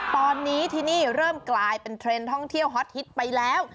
ตอนนี้ที่นี่เริ่มกลายเป็นเทรนด์ท่องเที่ยวฮอตฮิตไปแล้ว